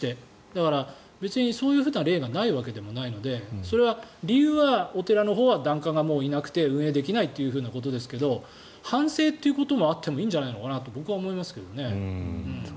だから、別にそういう例がないわけでもないのでそれは理由はお寺のほうは檀家がいなくて運営できないということですが反省ということも、あってもいいんじゃないのかなと僕は思いますけどね。